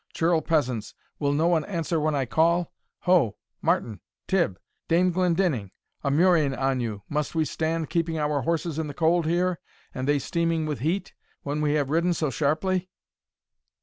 Churl peasants, will no one answer when I call? Ho! Martin, Tibb, Dame Glendinning a murrain on you, must we stand keeping our horses in the cold here, and they steaming with heat, when we have ridden so sharply?"